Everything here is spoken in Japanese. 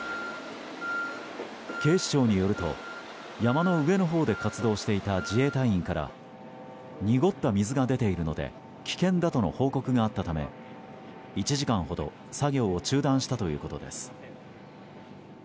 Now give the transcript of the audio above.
警視庁によると山の上のほうで活動していた自衛隊員から濁った水が出ているので危険だとの報告があったため１時間ほど作業を中断したということです。